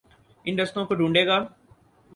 ان رستوں کو ڈھونڈے گا۔